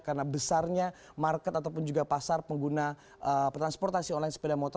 karena besarnya market ataupun juga pasar pengguna transportasi online sepeda motor